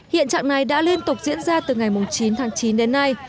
hiện trạng này đã liên tục diễn ra từ ngày chín tháng chín đến nay